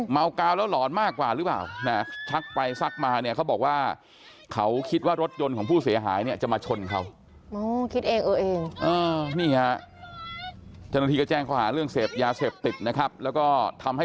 เมากาวแล้วหลอนมากกว่ารึเปล่า